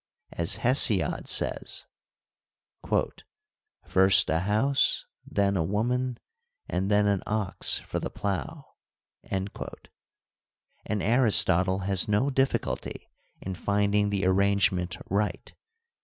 As Hesiod says :' First a house, then a woman, and then an ox for the plough '; and Aristotle has no difficulty in finding the arrangement right.